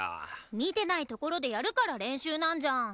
見てないところでやるから練習なんじゃん